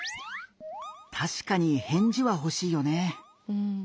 たしかに返事はほしいよね。